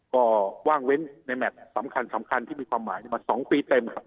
ก็ว่างเว้นในแมทสำคัญที่มีความหมายมา๒ปีเต็มครับ